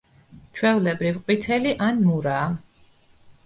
ჩვეულებრივ ყვითელი ან მურაა.